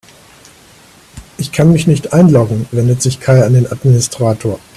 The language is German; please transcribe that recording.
Ich kann mich nicht einloggen, wendet sich Kai an den Administrator.